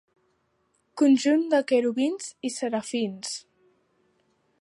Conjunt de querubins i serafins.